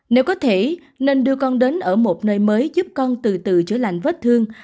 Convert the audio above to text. nếu có thể nên đưa con đến ở một nơi mới giúp con từ từ chữa lành vết thương